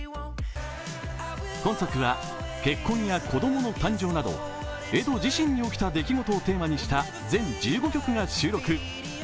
今作は、結婚や子供の誕生など、エド自身に起きた出来事をテーマにした全１５曲を収録。